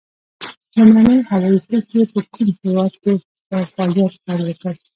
لومړنۍ هوایي کرښې په کوم هېواد کې په فعالیت پیل وکړ؟